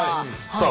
はい。